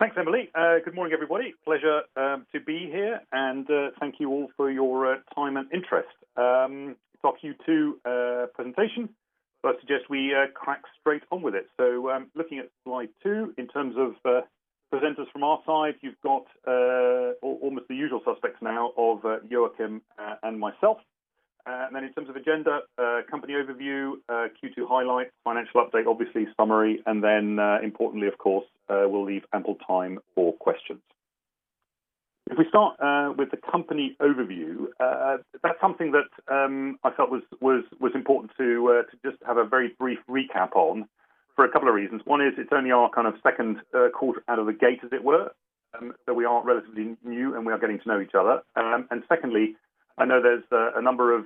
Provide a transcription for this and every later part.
Thanks, Emily. Good morning, everybody. Pleasure to be here, and thank you all for your time and interest. It's our Q2 presentation, so I suggest we crack straight on with it. Looking at slide two, in terms of presenters from our side, you've got almost the usual suspects now of Joakim and myself. In terms of agenda, company overview, Q2 highlights, financial update, obviously summary, and then importantly, of course, we'll leave ample time for questions. If we start with the company overview, that's something that I felt was important to just have a very brief recap on for a couple of reasons. One is it's only our second quarter out of the gate, as it were, so we are relatively new, and we are getting to know each other. Secondly, I know there's a number of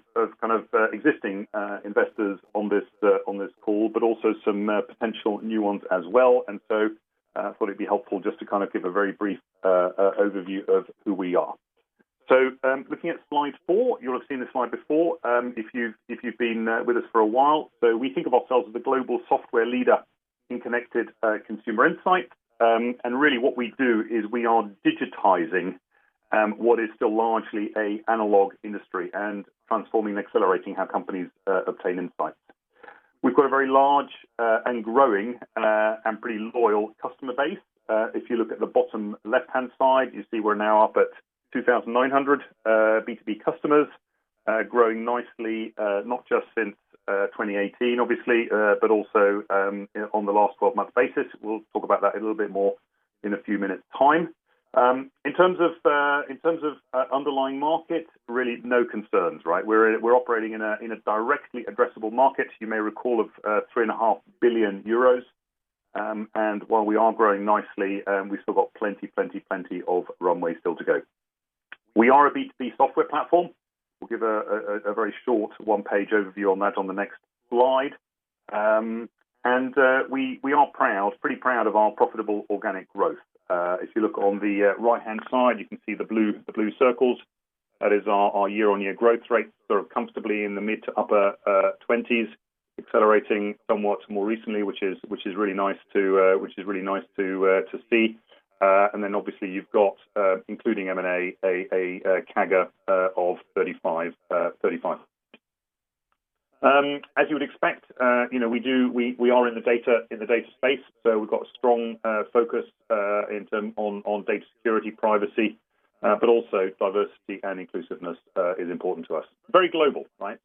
existing investors on this call, but also some potential new ones as well. I thought it'd be helpful just to give a very brief overview of who we are. Looking at slide four, you'll have seen this slide before if you've been with us for a while. We think of ourselves as the global software leader in connected consumer insight. Really what we do is we are digitizing what is still largely an analog industry and transforming and accelerating how companies obtain insights. We've got a very large and growing and pretty loyal customer base. If you look at the bottom left-hand side, you see we're now up at 2,900 B2B customers, growing nicely not just since 2018, obviously, but also on the last 12 months basis. We'll talk about that a little bit more in a few minutes time. In terms of underlying market, really no concerns, right? We're operating in a directly addressable market, you may recall, of 3.5 billion euros. While we are growing nicely, we've still got plenty of runway still to go. We are a B2B software platform. We'll give a very short one-page overview on that on the next slide. We are pretty proud of our profitable organic growth. If you look on the right-hand side, you can see the blue circles. That is our year-on-year growth rate, comfortably in the mid-to-upper 20%s, accelerating somewhat more recently, which is really nice to see. Obviously you've got, including M&A, a CAGR of 35%. As you would expect, we are in the data space. We've got a strong focus on data security, privacy, but also diversity and inclusiveness is important to us. Very global, right?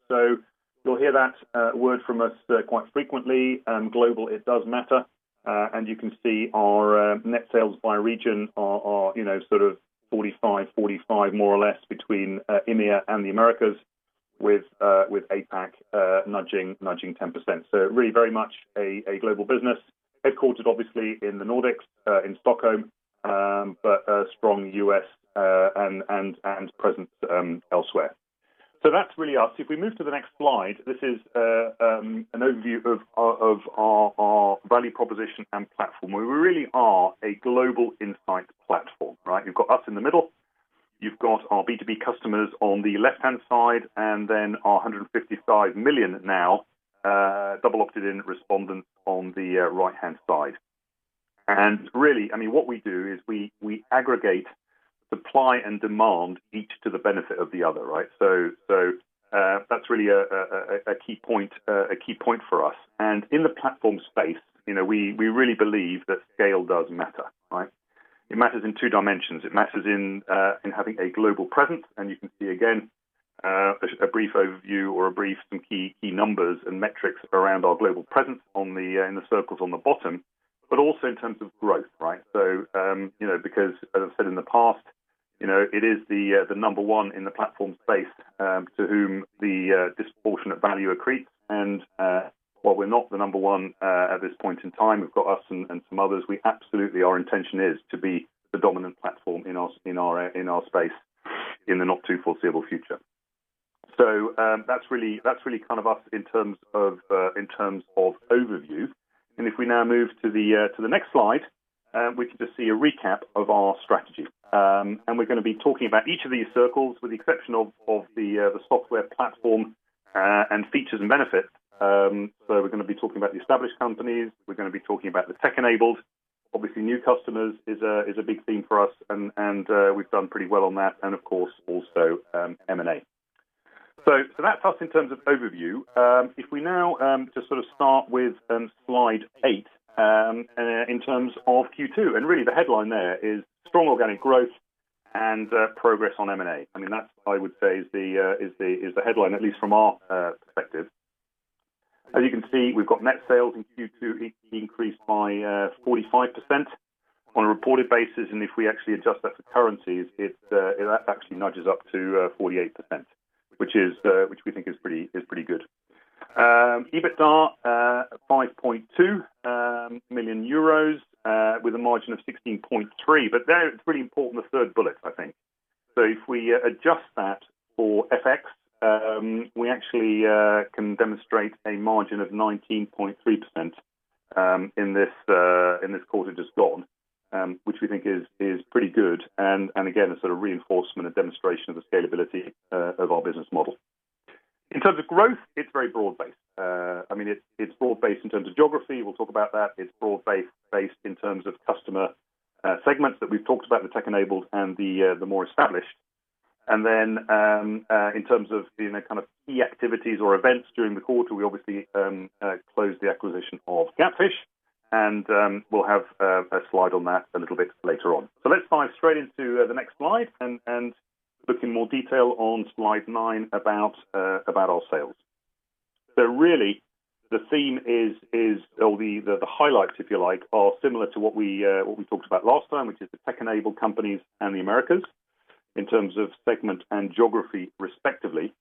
You'll hear that word from us quite frequently. Global, it does matter. You can see our net sales by region are 45/45 more or less between EMEA and the Americas with APAC nudging 10%. Really very much a global business, headquartered, obviously, in the Nordics in Stockholm, but a strong U.S. and presence elsewhere. That's really us. If we move to the next slide, this is an overview of our value proposition and platform, where we really are a global insight platform, right? You've got us in the middle. You've got our B2B customers on the left-hand side, and then our 155 million now double opted-in respondents on the right-hand side. Really, what we do is we aggregate supply and demand each to the benefit of the other, right? That's really a key point for us. In the platform space, we really believe that scale does matter, right? It matters in two dimensions. It matters in having a global presence. You can see, again, a brief overview or some key numbers and metrics around our global presence in the circles on the bottom, but also in terms of growth, right? Because as I've said in the past, it is the number one in the platform space to whom the disproportionate value accretes. While we're not the number one at this point in time, we've got us and some others, absolutely our intention is to be the dominant platform in our space in the not too foreseeable future. That's really us in terms of overview. If we now move to the next slide, we can just see a recap of our strategy. We're going to be talking about each of these circles with the exception of the software platform and features and benefits. We're going to be talking about the established companies. We're going to be talking about the tech-enabled. Obviously, new customers is a big theme for us, and we've done pretty well on that. Of course, also M&A. That's us in terms of overview. If we now just start with slide eight in terms of Q2, and really the headline there is strong organic growth and progress on M&A. That, I would say, is the headline, at least from our perspective. As you can see, we've got net sales in Q2 increased by 45% on a reported basis, and if we actually adjust that for currencies, that actually nudges up to 48%, which we think is pretty good. EBITDA, 5.2 million euros with a margin of 16.3%, but there it's pretty important the third bullet, I think. If we actually adjust that for FX, we actually can demonstrate a margin of 19.3% in this quarter just gone which we think is pretty good, and again, a sort of reinforcement, a demonstration of the scalability of our business model. In terms of growth, it's very broad-based. It's broad-based in terms of geography, we'll talk about that. It's broad-based in terms of customer segments that we've talked about, the tech-enabled and the more established. In terms of key activities or events during the quarter, we obviously closed the acquisition of GapFish, and we'll have a slide on that a little bit later on. Let's dive straight into the next slide and look in more detail on slide nine about our sales. The theme or the highlights, if you like, are similar to what we talked about last time, which is the tech-enabled companies and the Americas, in terms of segment and geography, respectively.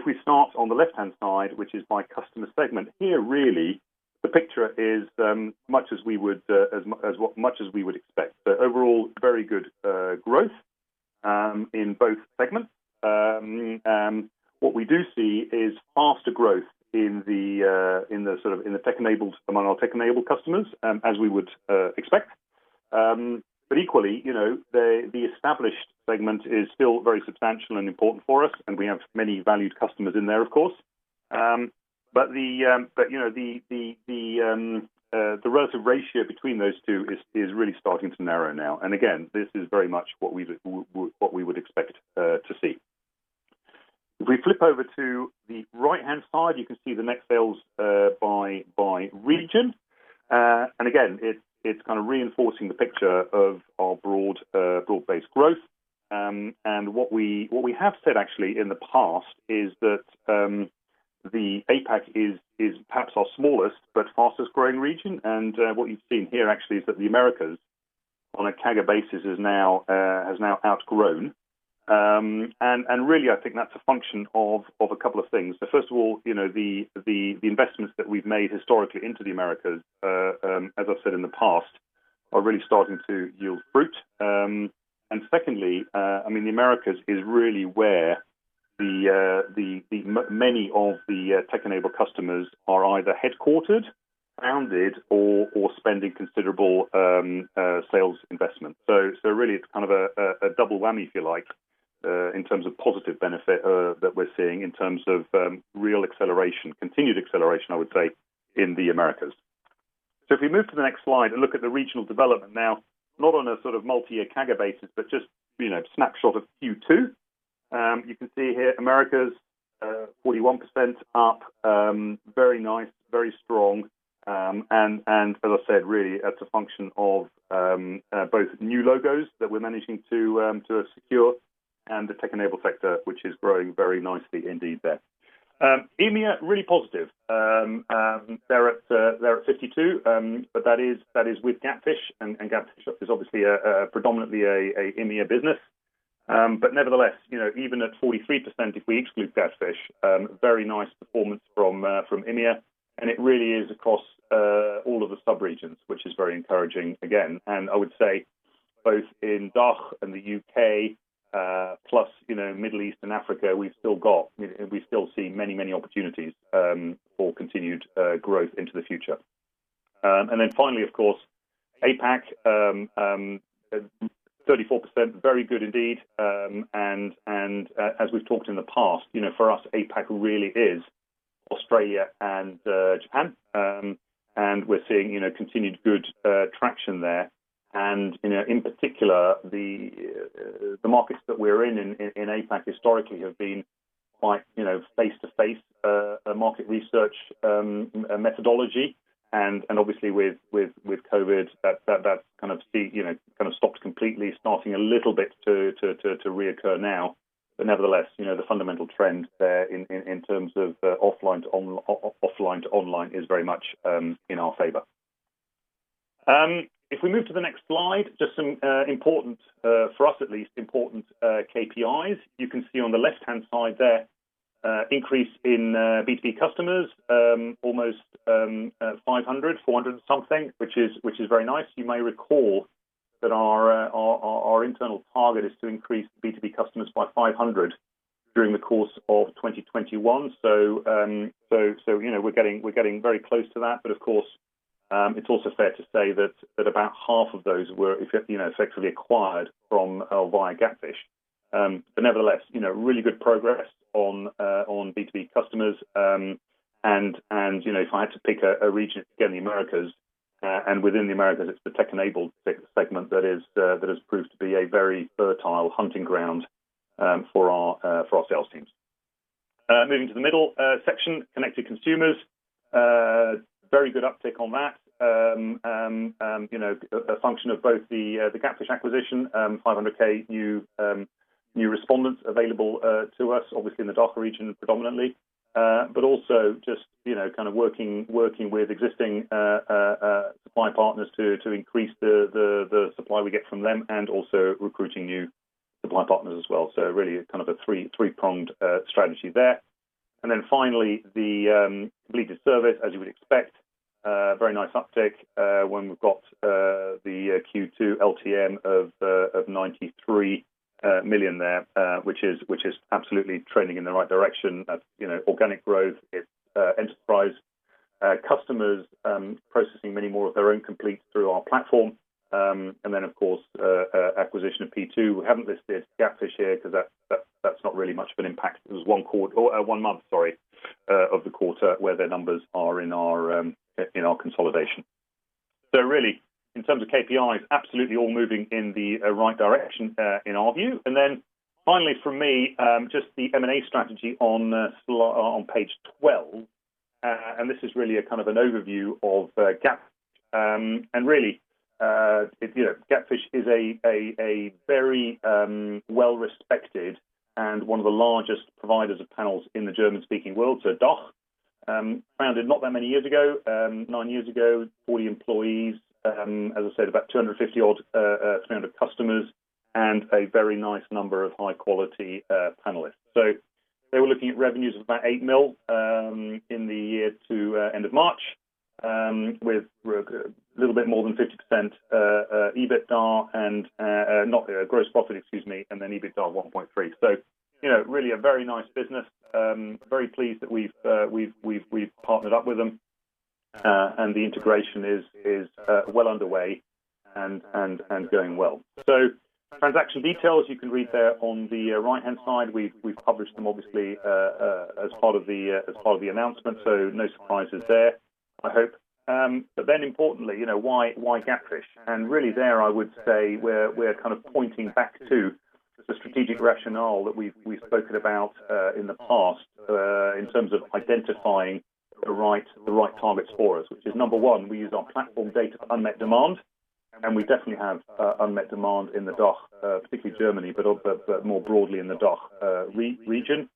If we start on the left-hand side, which is by customer segment. Here, really, the picture is much as we would expect. Overall, very good growth in both segments. What we do see is faster growth among our tech-enabled customers, as we would expect. Equally, the established segment is still very substantial and important for us, and we have many valued customers in there, of course. The relative ratio between those two is really starting to narrow now. Again, this is very much what we would expect to see. If we flip over to the right-hand side, you can see the net sales by region. Again, it's kind of reinforcing the picture of our broad-based growth. What we have said actually in the past is that the APAC is perhaps our smallest, but fastest growing region. What you've seen here actually is that the Americas on a CAGR basis has now outgrown. Really, I think that's a function of a couple of things. First of all, the investments that we've made historically into the Americas, as I've said in the past, are really starting to yield fruit. Secondly, the Americas is really where many of the tech-enabled customers are either headquartered, founded, or spending considerable sales investment. Really, it's kind of a double whammy, if you like, in terms of positive benefit that we're seeing in terms of real acceleration, continued acceleration, I would say, in the Americas. If we move to the next slide and look at the regional development now, not on a sort of multi-year CAGR basis, but just snapshot of Q2. You can see here Americas, 41% up, very nice, very strong. As I said, really as a function of both new logos that we're managing to secure and the tech-enabled sector, which is growing very nicely indeed there. EMEA, really positive. They're at 52%, but that is with GapFish, and GapFish is obviously predominantly a EMEA business. Nevertheless, even at 43%, if we exclude GapFish, very nice performance from EMEA, and it really is across all of the sub-regions, which is very encouraging again. I would say both in DACH and the U.K., plus Middle East and Africa, we still see many opportunities for continued growth into the future. Finally, of course, APAC, 34%, very good indeed. As we've talked in the past, for us, APAC really is Australia and Japan. We're seeing continued good traction there. In particular, the markets that we're in in APAC historically have been quite face-to-face market research methodology. Obviously with COVID, that kind of stopped completely, starting a little bit to reoccur now. Nevertheless, the fundamental trend there in terms of offline to online is very much in our favor. If we move to the next slide, just some important, for us at least, important KPIs. You can see on the left-hand side there, increase in B2B customers, almost 500, 400 and something, which is very nice. You may recall that our internal target is to increase B2B customers by 500 during the course of 2021. We're getting very close to that. Of course, it's also fair to say that about half of those were effectively acquired via GapFish. Nevertheless, really good progress on B2B customers. If I had to pick a region, again, the Americas, and within the Americas, it's the tech-enabled segment that has proved to be a very fertile hunting ground for our sales teams. Moving to the middle section, connected consumers. Very good uptick on that. A function of both the GapFish acquisition, 500,000 new respondents available to us, obviously in the DACH region predominantly. Also just working with existing supply partners to increase the supply we get from them and also recruiting new supply partners as well. Really a three-pronged strategy there. Finally, the completed service, as you would expect, very nice uptick when we've got the Q2 LTM of 93 million there, which is absolutely trending in the right direction. Organic growth is enterprise customers processing many more of their own completes through our platform. Of course, acquisition of P2. We haven't listed GapFish yet, because that's not really much of an impact. It was one month of the quarter where their numbers are in our consolidation. Really, in terms of KPIs, absolutely all moving in the right direction in our view. Finally from me, just the M&A strategy on page 12. This is really a kind of an overview of Gap. Really, GapFish is a very well-respected and one of the largest providers of panels in the German-speaking world, so DACH. Founded not that many years ago, nine years ago, 40 employees, as I said, about 250 odd, 300 customers, and a very nice number of high-quality panelists. They were looking at revenues of about 8 million in the year to end of March, with a little bit more than 50% EBITDA, not gross profit, excuse me, and then EBITDA 1.3 million. Really a very nice business. Very pleased that we've partnered up with them. The integration is well underway and going well. Transaction details you can read there on the right-hand side. We've published them obviously as part of the announcement, so no surprises there, I hope. Importantly, why GapFish? Really there, I would say we're kind of pointing back to the strategic rationale that we've spoken about in the past, in terms of identifying the right targets for us. Which is number one, we use our platform data for unmet demand, and we definitely have unmet demand in the DACH, particularly Germany, but more broadly in the DACH region.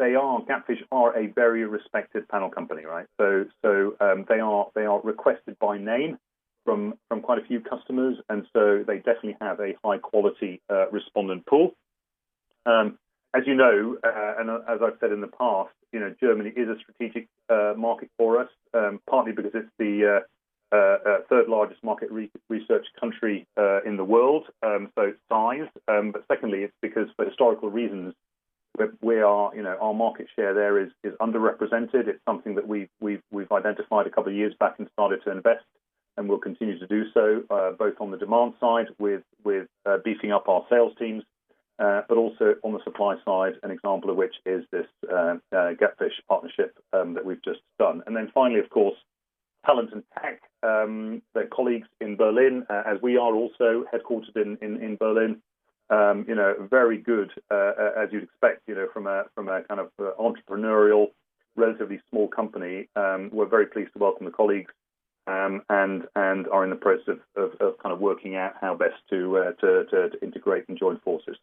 GapFish are a very respected panel company. They definitely have a high-quality respondent pool. As you know, and as I've said in the past, Germany is a strategic market for us, partly because it's the third largest market research country in the world, so size. Secondly, it's because for historical reasons, our market share there is underrepresented. It's something that we've identified a couple of years back and started to invest, and we'll continue to do so, both on the demand side with beefing up our sales teams, but also on the supply side, an example of which is this GapFish partnership that we've just done. Finally, of course, talent and tech, their colleagues in Berlin, as we are also headquartered in Berlin. Very good as you'd expect from a kind of entrepreneurial, relatively small company. We're very pleased to welcome the colleagues and are in the process of kind of working out how best to integrate and join forces.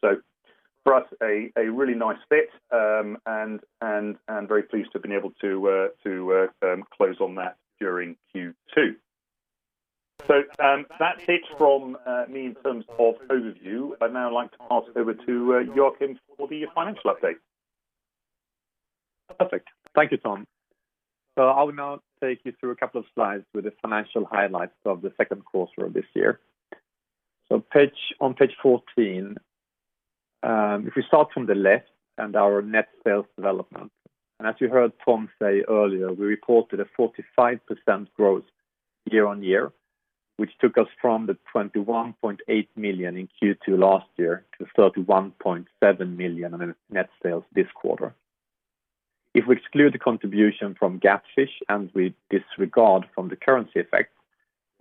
For us, a really nice fit, and very pleased to have been able to close on that during Q2. That's it from me in terms of overview. I'd now like to pass over to Joakim, for the financial update. Perfect. Thank you, Tom. I will now take you through a couple of slides with the financial highlights of the second quarter of this year. On page 14, if we start from the left and our net sales development, as you heard Tom say earlier, we reported a 45% growth year-on-year, which took us from the 21.8 million in Q2 last year to 31.7 million net sales this quarter. If we exclude the contribution from GapFish and we disregard from the currency effect,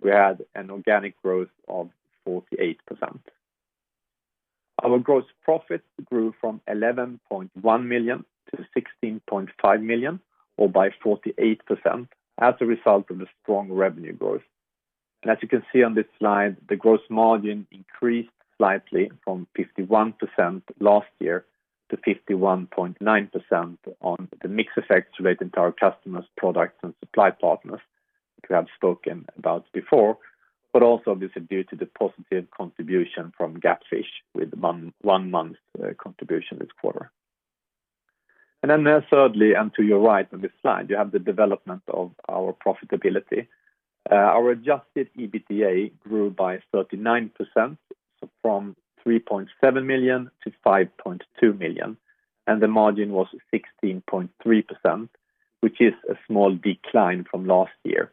we had an organic growth of 48%. Our gross profits grew from 11.1 million to 16.5 million or by 48% as a result of the strong revenue growth. As you can see on this slide, the gross margin increased slightly from 51% last year to 51.9% on the mix effects relating to our customers, products, and supply partners, which we have spoken about before, but also obviously due to the positive contribution from GapFish with one month contribution this quarter. Thirdly, to your right on this slide, you have the development of our profitability. Our adjusted EBITDA grew by 39%, from 3.7 million to 5.2 million, and the margin was 16.3%, which is a small decline from last year.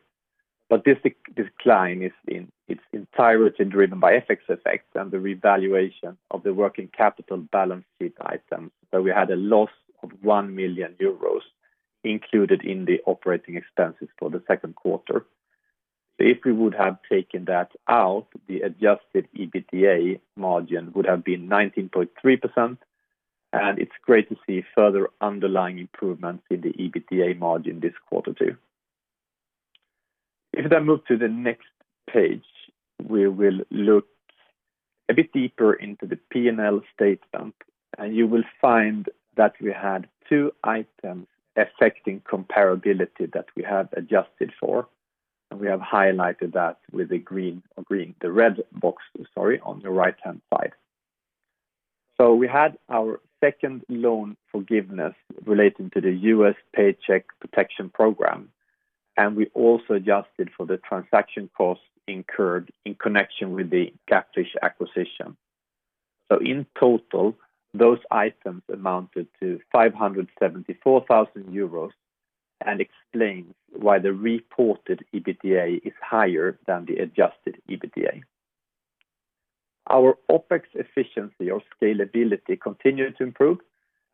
This decline is entirety driven by FX effects and the revaluation of the working capital balance sheet item. We had a loss of 1 million euros included in the operating expenses for the Q2. If we would have taken that out, the adjusted EBITDA margin would have been 19.3%, and it's great to see further underlying improvements in the EBITDA margin this quarter two. If we move to the next page, we will look a bit deeper into the P&L statement. You will find that we had two items affecting comparability that we have adjusted for. We have highlighted that with the red box on the right-hand side. We had our second loan forgiveness relating to the U.S. Paycheck Protection Program. We also adjusted for the transaction costs incurred in connection with the GapFish acquisition. In total, those items amounted to 574,000 euros and explain why the reported EBITDA is higher than the adjusted EBITDA. Our OpEx efficiency or scalability continued to improve,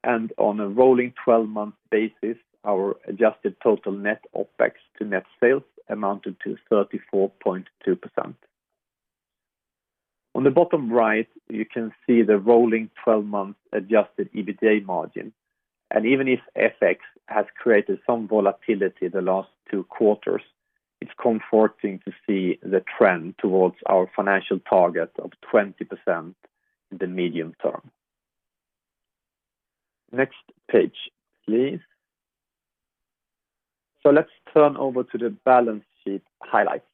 and on a rolling 12-month basis, our adjusted total net OpEx to net sales amounted to 34.2%. On the bottom right, you can see the rolling 12-month adjusted EBITDA margin. Even if FX has created some volatility the last two quarters, it's comforting to see the trend towards our financial target of 20% in the medium term. Next page, please. Let's turn over to the balance sheet highlights.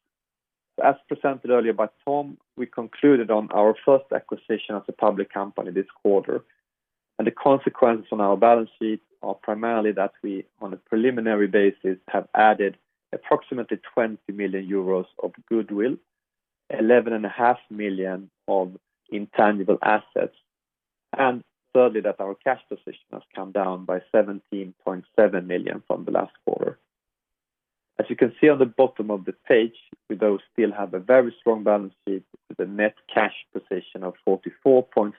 As presented earlier by Tom, we concluded on our first acquisition as a public company this quarter, and the consequence on our balance sheet are primarily that we, on a preliminary basis, have added approximately 20 million euros of goodwill, 11.5 million of intangible assets, and thirdly, that our cash position has come down by 17.7 million from the last quarter. As you can see on the bottom of the page, we though still have a very strong balance sheet with a net cash position of 44.3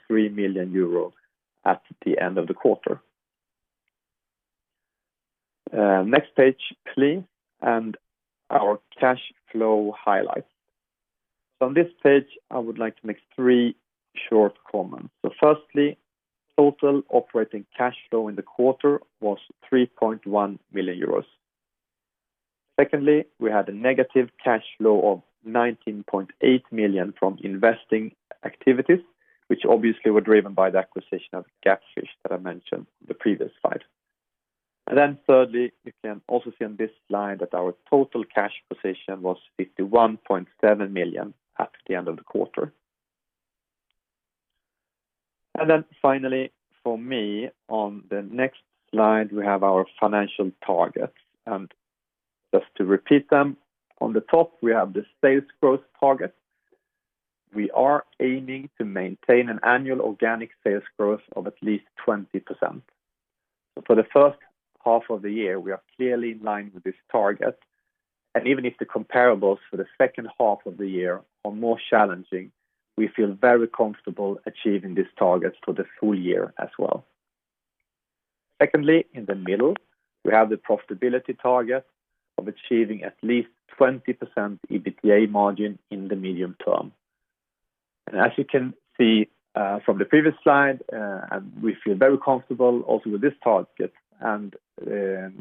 million euro at the end of the quarter. Next page, please, our cash flow highlights. On this page, I would like to make three short comments. Firstly, total operating cash flow in the quarter was 3.1 million euros. Secondly, we had a negative cash flow of 19.8 million from investing activities, which obviously were driven by the acquisition of GapFish that I mentioned in the previous slide. Thirdly, you can also see on this slide that our total cash position was 51.7 million at the end of the quarter. Finally, for me, on the next slide, we have our financial targets. Just to repeat them, on the top, we have the sales growth target. We are aiming to maintain an annual organic sales growth of at least 20%. For the first half of the year, we are clearly in line with this target, and even if the comparables for the second half of the year are more challenging, we feel very comfortable achieving these targets for the full year as well. Secondly, in the middle, we have the profitability target of achieving at least 20% EBITDA margin in the medium term. As you can see from the previous slide, we feel very comfortable also with this target and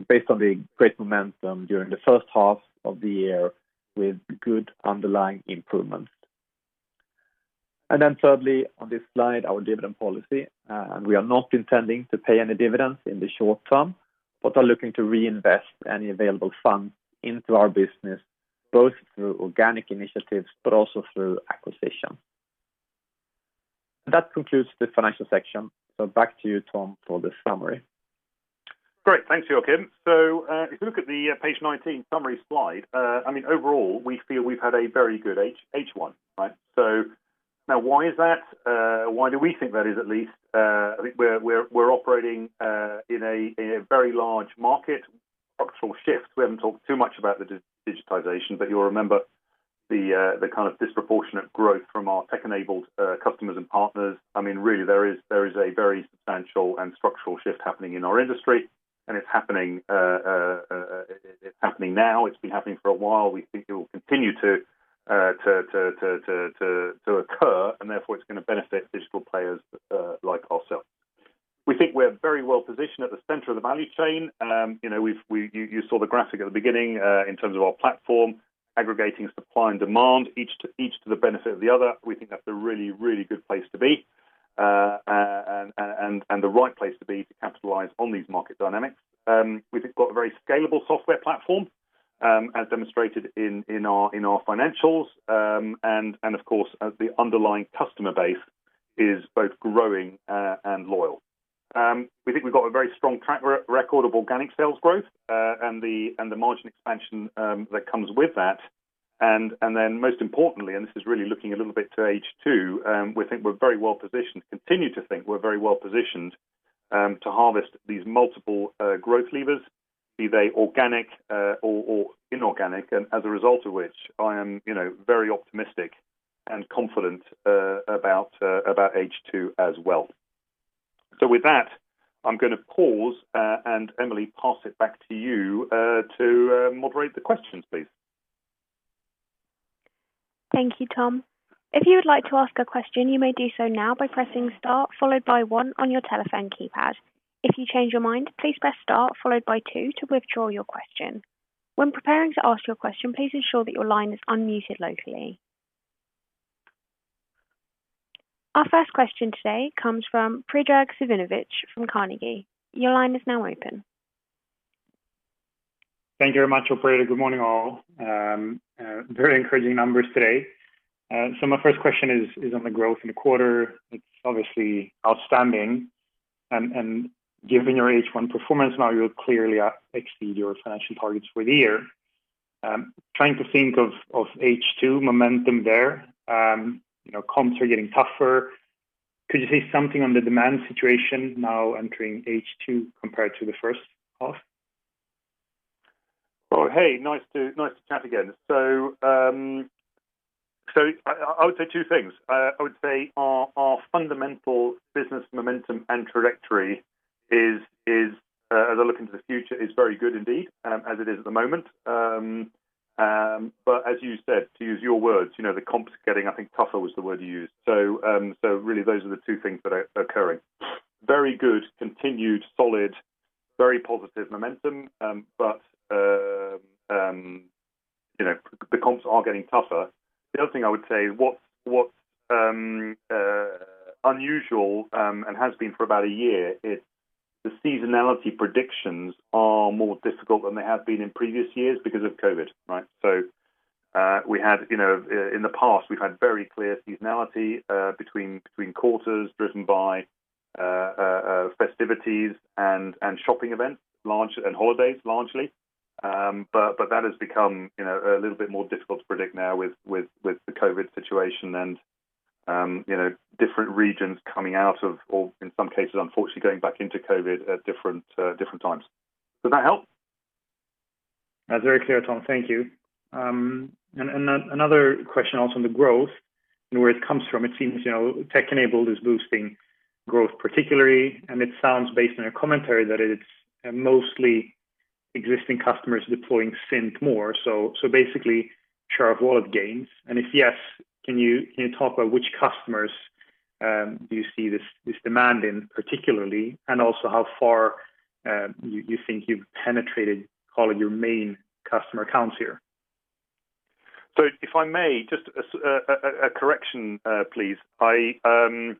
based on the great momentum during the first half of the year with good underlying improvements. Then thirdly, on this slide, our dividend policy, and we are not intending to pay any dividends in the short term, but are looking to reinvest any available funds into our business, both through organic initiatives, but also through acquisition. That concludes the financial section. Back to you, Tom, for the summary. Great. Thanks, Joakim. If you look at the page 19 summary slide, overall we feel we've had a very good H1. Now why is that? Why do we think that is, at least? I think we're operating in a very large market structural shift. We haven't talked too much about the digitization, but you'll remember the kind of disproportionate growth from our tech-enabled customers and partners. Really there is a very substantial and structural shift happening in our industry, and it's happening now. It's been happening for a while. We think it will continue to occur, and therefore it's going to benefit digital players like ourselves. We think we're very well positioned at the center of the value chain. You saw the graphic at the beginning in terms of our platform aggregating supply and demand, each to the benefit of the other. We think that's a really, really good place to be, and the right place to be to capitalize on these market dynamics. We've got a very scalable software platform as demonstrated in our financials. Of course, as the underlying customer base is both growing and loyal. We think we've got a very strong track record of organic sales growth and the margin expansion that comes with that. Then most importantly, and this is really looking a little bit to H2, we think we're very well positioned, continue to think we're very well positioned to harvest these multiple growth levers, be they organic or inorganic. As a result of which I am very optimistic and confident about H2 as well. With that, I'm going to pause, and Emily, pass it back to you to moderate the questions, please. Thank you, Tom. If you would like to ask a question, you may do so now by pressing star followed by one on your telephone keypad. If you change your mind, please press star followed by two to withdraw your question. When preparing to ask your question, please ensure that your line is unmuted locally. Our first question today comes from Predrag Savinovic from Carnegie. Your line is now open. Thank you very much, operator. Good morning, all. Very encouraging numbers today. My first question is on the growth in the quarter. It's obviously outstanding. Given your H1 performance now you'll clearly exceed your financial targets for the year. Trying to think of H2 momentum there. Comps are getting tougher. Could you say something on the demand situation now entering H2 compared to the first half? Oh, hey, nice to chat again. I would say two things. I would say our fundamental business momentum and trajectory as I look into the future is very good indeed, as it is at the moment. As you said, to use your words, the comps are getting, I think tougher was the word you used. Really those are the two things that are occurring. Very good, continued, solid, very positive momentum, the comps are getting tougher. The other thing I would say what's unusual, and has been for about a year, is the seasonality predictions are more difficult than they have been in previous years because of COVID, right? In the past we've had very clear seasonality between quarters driven by festivities and shopping events, and holidays largely. That has become a little bit more difficult to predict now with the COVID situation and different regions coming out of, or in some cases, unfortunately, going back into COVID at different times. Does that help? That's very clear, Tom. Thank you. Another question also on the growth and where it comes from. It seems tech-enabled is boosting growth particularly, and it sounds based on your commentary that it's mostly existing customers deploying Cint more. So basically share of wallet gains. If yes, can you talk about which customers do you see this demand in particularly? Also how far you think you've penetrated calling your main customer accounts here? If I may, just a correction please. The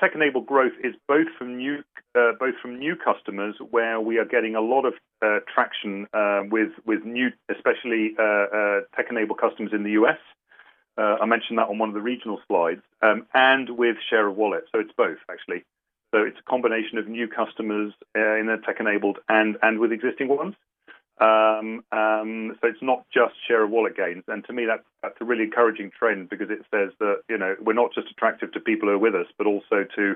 tech-enabled growth is both from new customers where we are getting a lot of traction with new, especially tech-enabled customers in the U.S. I mentioned that on one of the regional slides, and with share of wallet. It's both actually. It's a combination of new customers in the tech-enabled and with existing ones. It's not just share of wallet gains. To me that's a really encouraging trend because it says that we're not just attractive to people who are with us, but also to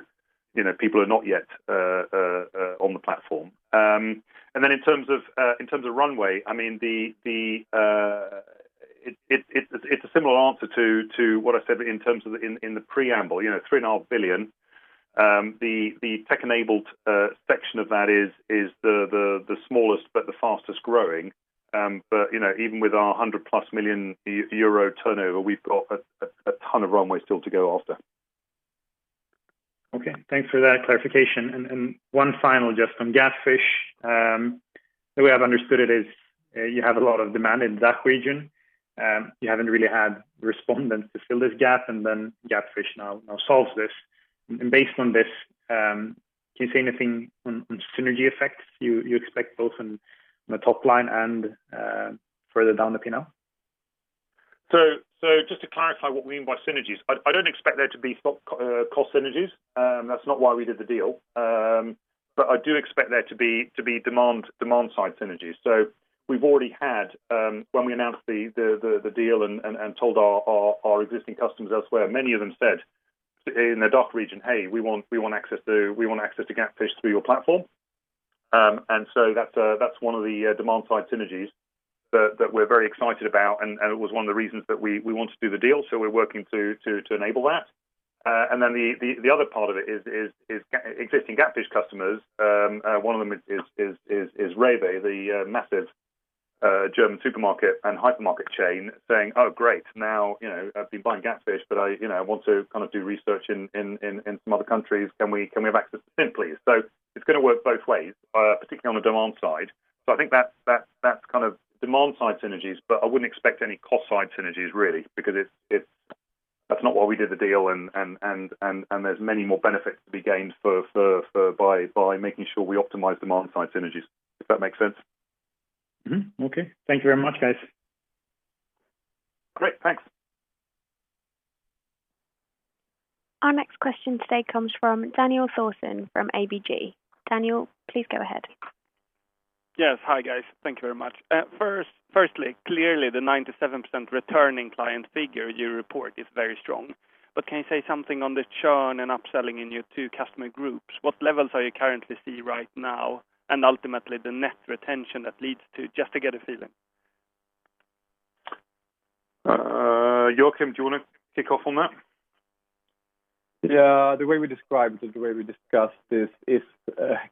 people who are not yet on the platform. In terms of runway, it's a similar answer to what I said in the preamble, three and a half billion. The tech-enabled section of that is the smallest but the fastest-growing. Even with our 100+ million euro turnover, we've got a ton of runway still to go after. Okay. Thanks for that clarification. One final just on GapFish. The way I've understood it is, you have a lot of demand in that region. You haven't really had respondents to fill this gap. GapFish now solves this. Based on this, can you say anything on synergy effects you expect both on the top line and further down the funnel? Just to clarify what we mean by synergies. I don't expect there to be cost synergies. That's not why we did the deal. I do expect there to be demand-side synergies. We've already had, when we announced the deal and told our existing customers elsewhere, many of them said in the DACH region, "Hey, we want access to GapFish through your platform." That's one of the demand-side synergies that we're very excited about and it was one of the reasons that we wanted to do the deal. We're working to enable that. The other part of it is existing GapFish customers. One of them is REWE, the massive German supermarket and hypermarket chain saying, "Oh, great. Now, I've been buying GapFish, but I want to do research in some other countries. Can we have access to Cint, please?" It's going to work both ways, particularly on the demand side. I think that's demand-side synergies, but I wouldn't expect any cost side synergies really, because that's not why we did the deal and there's many more benefits to be gained by making sure we optimize demand-side synergies. If that makes sense. Okay. Thank you very much, guys. Great. Thanks. Our next question today comes from Daniel Thorsson from ABG. Daniel, please go ahead. Yes. Hi, guys. Thank you very much. Firstly, clearly the 97% returning client figure you report is very strong. Can you say something on the churn and upselling in your two customer groups? What levels are you currently seeing right now, and ultimately the net retention that leads to, just to get a feeling? Joakim, do you want to kick off on that? Yeah. The way we described it, the way we discussed this is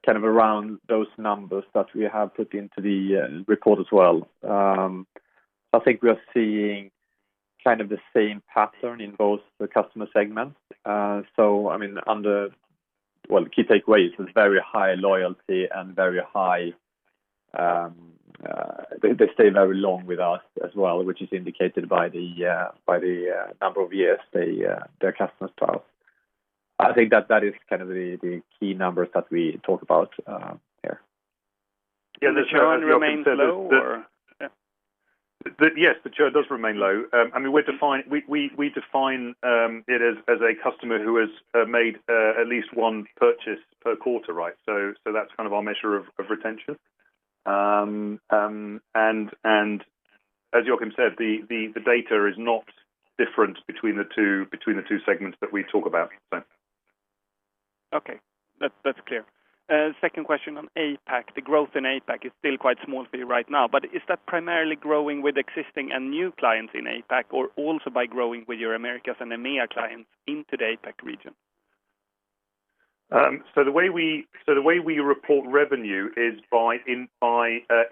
kind of around those numbers that we have put into the report as well. I think we are seeing kind of the same pattern in both the customer segments. Well, the key takeaway is it's very high loyalty and they stay very long with us as well, which is indicated by the number of years their customers stay. I think that is kind of the key numbers that we talk about here. The churn remains low, or? Yes, the churn does remain low. We define it as a customer who has made at least one purchase per quarter. That's kind of our measure of retention. As Joakim said, the data is not different between the two segments that we talk about. Okay. That's clear. Second question on APAC. The growth in APAC is still quite small for you right now, but is that primarily growing with existing and new clients in APAC, or also by growing with your Americas and EMEA clients into the APAC region? The way we report revenue is by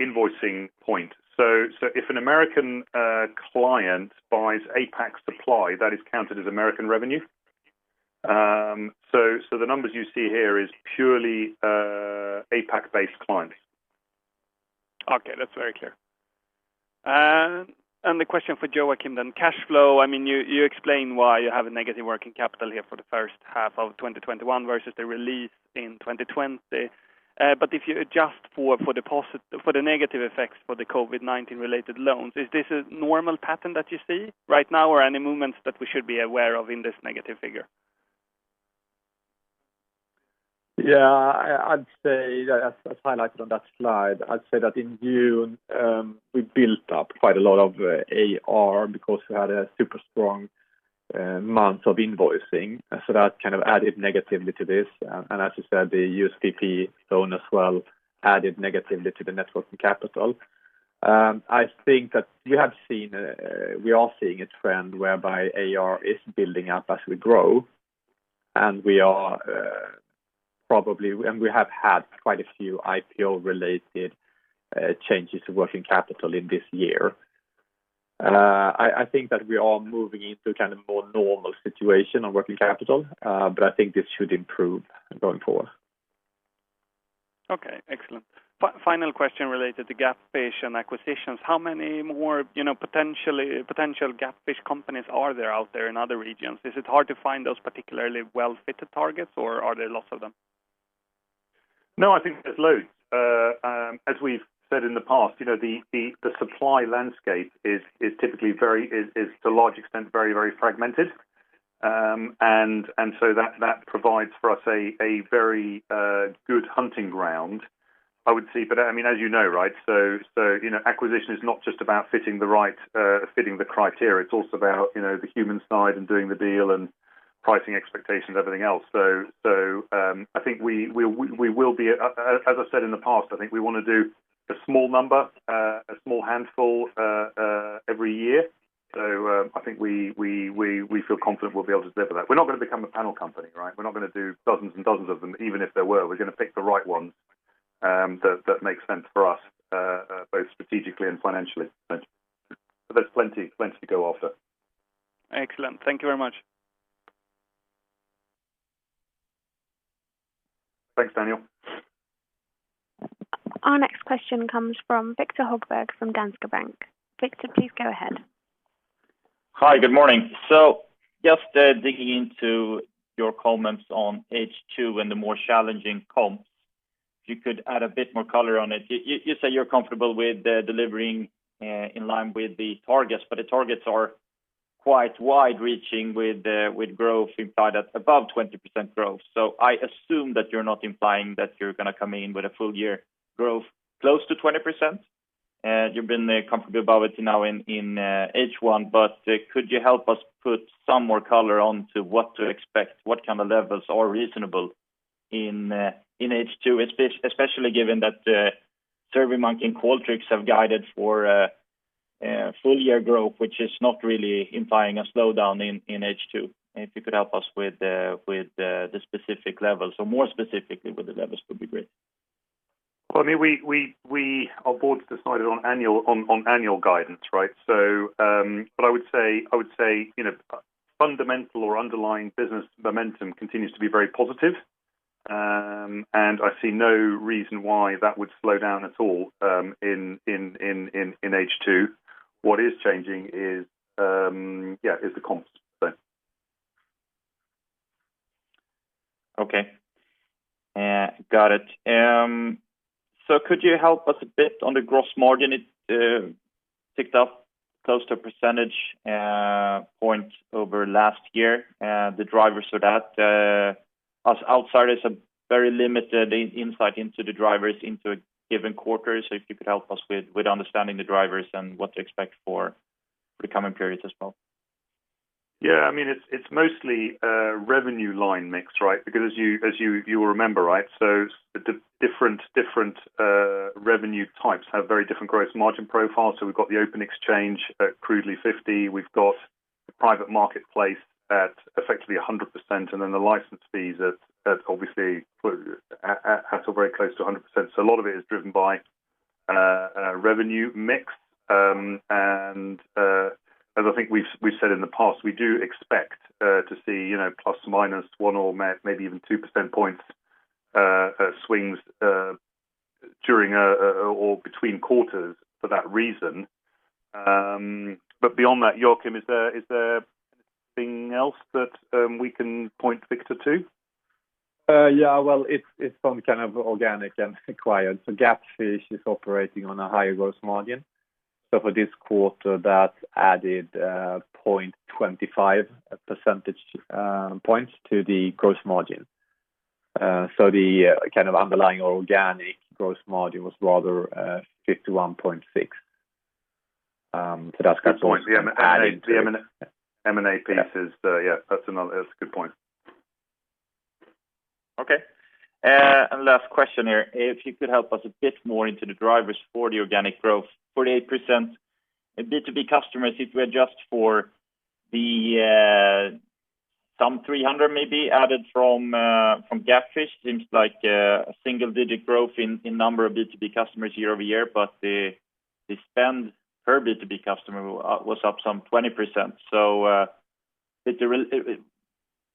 invoicing point. If a U.S. client buys APAC supply, that is counted as U.S. revenue. The numbers you see here is purely APAC-based clients. Okay. That's very clear. The question for Joakim then. Cash flow. You explained why you have a negative working capital here for the first half of 2021 versus the release in 2020. If you adjust for the negative effects for the COVID-19 related loans, is this a normal pattern that you see right now or any movements that we should be aware of in this negative figure? As highlighted on that slide, I'd say that in June, we built up quite a lot of AR because we had a super strong month of invoicing. That kind of added negatively to this. As you said, the US PPP loan as well added negatively to the net working capital. I think that we are seeing a trend whereby AR is building up as we grow. We have had quite a few IPO-related changes to working capital in this year. I think that we are moving into kind of more normal situation on working capital. I think this should improve going forward. Okay. Excellent. Final question related to GapFish and acquisitions. How many more potential GapFish companies are there out there in other regions? Is it hard to find those particularly well-fitted targets, or are there lots of them? I think there's loads. As we've said in the past, the supply landscape is to a large extent very fragmented. That provides for us a very good hunting ground, I would say. As you know, acquisition is not just about fitting the criteria, it's also about the human side and doing the deal and pricing expectations, everything else. I think as I've said in the past, I think we want to do a small number, a small handful every year. I think we feel confident we'll be able to deliver that. We're not going to become a panel company. We're not going to do dozens and dozens of them. Even if there were, we're going to pick the right ones that make sense for us, both strategically and financially. There's plenty to go after. Excellent. Thank you very much. Thanks, Daniel. Our next question comes from Viktor Högberg from Danske Bank. Victor, please go ahead. Hi. Good morning. Just digging into your comments on H2 and the more challenging comps, if you could add a bit more color on it. You say you're comfortable with delivering in line with the targets, the targets are quite wide-reaching with growth implied at above 20% growth. I assume that you're not implying that you're going to come in with a full-year growth close to 20%, you've been comfortably above it now in H1, but could you help us put some more color onto what to expect, what kind of levels are reasonable in H2, especially given that SurveyMonkey and Qualtrics have guided for full-year growth, which is not really implying a slowdown in H2. If you could help us with the specific levels or more specifically with the levels, would be great. Our board's decided on annual guidance. I would say fundamental or underlying business momentum continues to be very positive. I see no reason why that would slow down at all in H2. What is changing is the comps. Okay. Got it. Could you help us a bit on the gross margin? It ticked up close to a percentage point over last year. The drivers for that. Us outsiders have very limited insight into the drivers into a given quarter. If you could help us with understanding the drivers and what to expect for the coming periods as well. Yeah. It's mostly a revenue line mix. Because as you will remember, the different revenue types have very different gross margin profiles. We've got the Open Exchange at crudely 50%. We've got the Private Marketplace at effectively 100%, and then the license fees at obviously very close to 100%. A lot of it is driven by revenue mix. As I think we've said in the past, we do expect to see ±1 percentage point or maybe even 2 percentage points swings during or between quarters for that reason. Beyond that, Joakim Andersson, is there anything else that we can point Viktor to? Yeah. Well, it's from kind of organic and acquired. GapFish is operating on a higher gross margin. For this quarter that added 0.25 percentage points to the gross margin. The kind of underlying organic gross margin was rather 51.6%. Good point. The M&A piece. Yeah, that's a good point. Okay. Last question here. If you could help us a bit more into the drivers for the organic growth, 48% B2B customers, if we adjust for some 300 maybe added from GapFish, seems like a single-digit growth in number of B2B customers year-over-year, but the spend per B2B customer was up some 20%.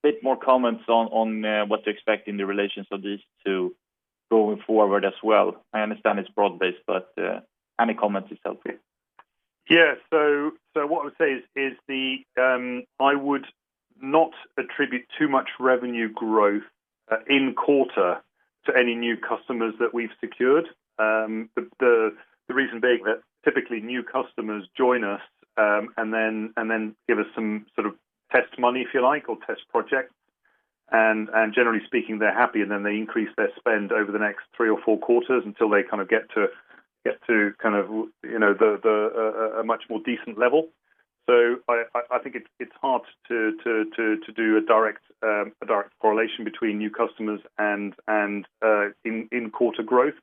A bit more comments on what to expect in the relations of these two going forward as well. I understand it's broad-based, but any comments will help here. Yeah. What I would say is I would not attribute too much revenue growth in quarter to any new customers that we've secured. The reason being that typically new customers join us, and then give us some sort of test money, if you like, or test project. Generally speaking, they're happy, and then they increase their spend over the next three or four quarters until they kind of get to a much more decent level. I think it's hard to do a direct correlation between new customers and in-quarter growth.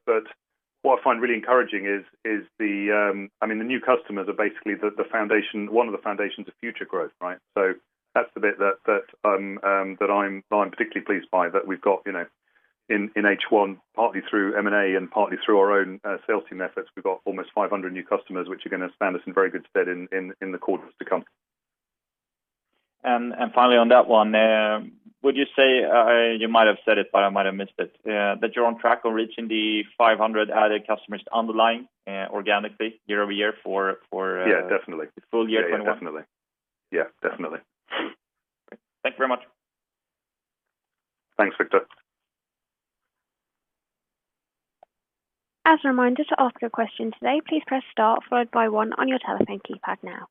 What I find really encouraging is the. I mean, the new customers are basically one of the foundations of future growth, right? That's the bit that I'm particularly pleased by, that we've got in H1, partly through M&A and partly through our own sales team efforts. We've got almost 500 new customers, which are gonna stand us in very good stead in the quarters to come. Finally on that one, would you say, you might have said it, but I might have missed it, that you're on track on reaching the 500 added customers underlying organically year-over-year? Yeah, definitely. full year 2021. Yeah, definitely. Thank you very much. Thanks, Viktor. As a reminder, to ask your question today, please press star followed by one on your telephone keypad now.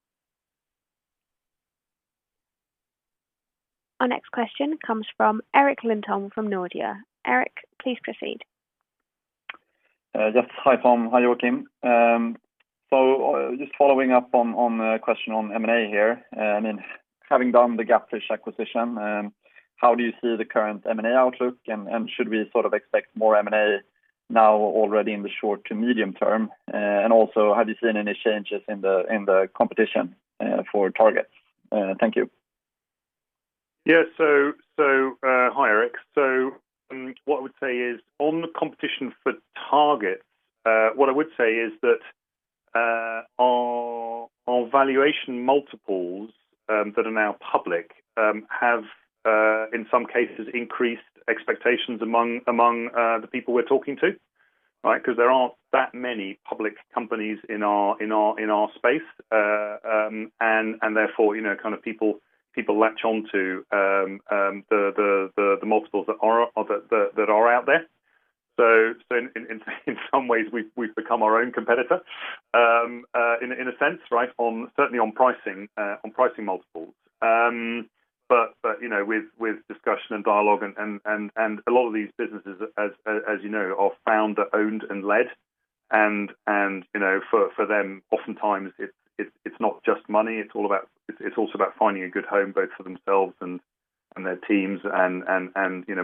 Our next question comes from [Erik Lindtorn] from Nordea. Erik, please proceed. Yes. Hi, Tom. Hi, Joakim. Just following up on a question on M&A here. Having done the GapFish acquisition, how do you see the current M&A outlook? Should we sort of expect more M&A now already in the short to medium term? Also, have you seen any changes in the competition for targets? Thank you. Hi, Erik. What I would say is on the competition for targets, what I would say is that our valuation multiples that are now public have, in some cases, increased expectations among the people we're talking to, right? Because there aren't that many public companies in our space. Therefore, kind of people latch on to the multiples that are out there. In some ways we've become our own competitor in a sense, right? Certainly on pricing multiples. With discussion and dialogue and a lot of these businesses as you know, are founder owned and led and for them, oftentimes it's not just money, it's also about finding a good home, both for themselves and their teams and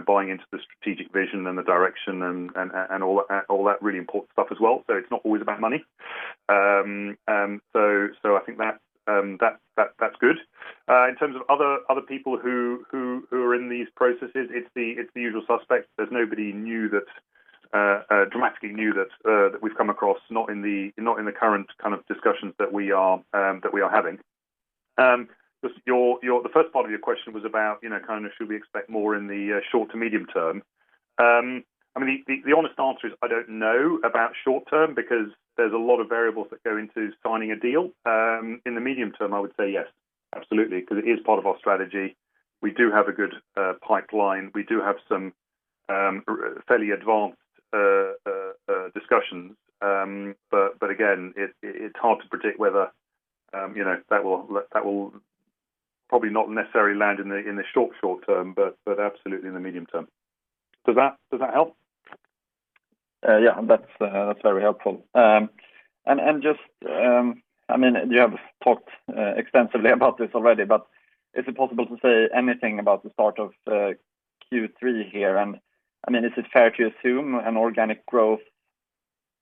buying into the strategic vision and the direction and all that really important stuff as well. It's not always about money. I think that's good. In terms of other people who are in these processes, it's the usual suspects. There's nobody dramatically new that we've come across, not in the current kind of discussions that we are having. The first part of your question was about kind of should we expect more in the short to medium term? I mean, the honest answer is, I don't know about short-term because there's a lot of variables that go into signing a deal. In the medium term, I would say yes, absolutely, because it is part of our strategy. We do have a good pipeline. We do have some fairly advanced discussions. But again, it's hard to predict whether that will probably not necessarily land in the short term, but absolutely in the medium term. Does that help? Yeah, that's very helpful. You have talked extensively about this already, but is it possible to say anything about the start of Q3 here? Is it fair to assume an organic growth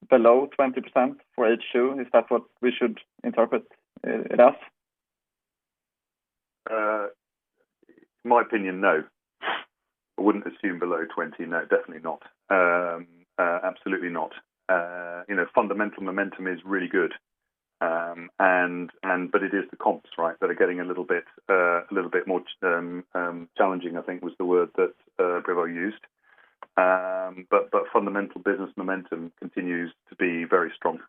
below 20% for H2? Is that what we should interpret it as? In my opinion, no. I wouldn't assume below 20%. No, definitely not. Absolutely not. Fundamental momentum is really good. It is the comps, right, that are getting a little bit more challenging, I think was the word that Predrag used. Fundamental business momentum continues to be very strong.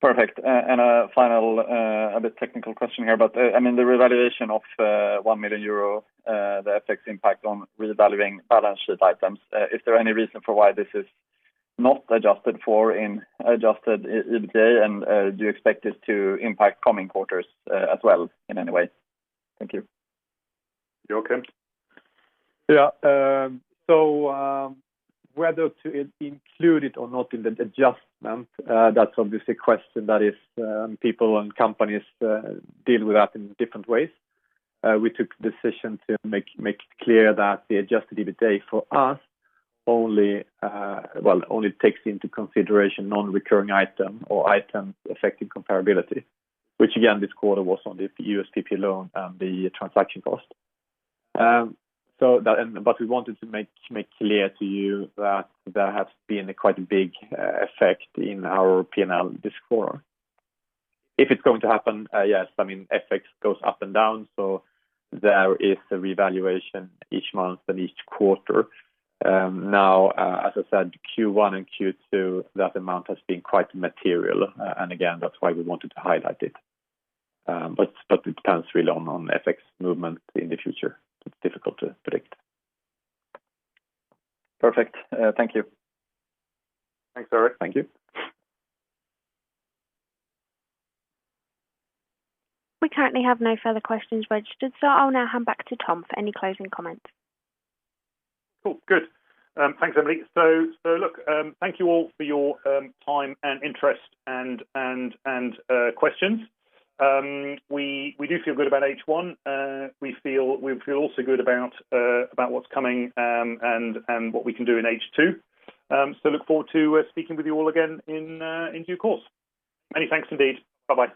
Perfect. A final, a bit technical question here, but the revaluation of 1 million euro, the FX impact on revaluing balance sheet items, is there any reason for why this is not adjusted for in adjusted EBITDA? Do you expect this to impact coming quarters as well in any way? Thank you. Joakim? Yeah. Whether to include it or not in the adjustment, that's obviously a question that is people and companies deal with that in different ways. We took the decision to make it clear that the adjusted EBITDA for us only takes into consideration non-recurring item or item affecting comparability, which again, this quarter was on the US PPP loan and the transaction cost. We wanted to make clear to you that there has been a quite big effect in our P&L this quarter. If it's going to happen, yes, FX goes up and down, so there is a revaluation each month and each quarter. As I said, Q1 and Q2, that amount has been quite material. Again, that's why we wanted to highlight it. It depends really on FX movement in the future. It's difficult to predict. Perfect. Thank you. Thanks, Erik. Thank you. We currently have no further questions registered, so I'll now hand back to Tom for any closing comments. Cool. Good. Thanks, Emily. Thank you all for your time and interest and questions. We do feel good about H1. We feel also good about what's coming and what we can do in H2. Look forward to speaking with you all again in due course. Many thanks indeed. Bye-bye.